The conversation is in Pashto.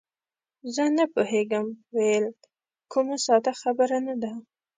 زه نه پوهېږم ویل، کومه ساده خبره نه ده.